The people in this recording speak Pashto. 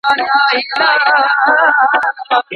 په لاس خط لیکل د موټر مهارتونو د پراختیا نښه ده.